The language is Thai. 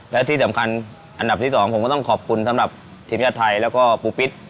และที่สำคัญอันดับที่๒ผมก็ต้องขอบคุณสำหรับทีมชาติไทยแล้วก็ปูปิ๊ด